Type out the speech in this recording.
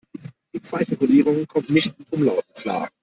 Die Zeichenkodierung kommt nicht mit Umlauten klar.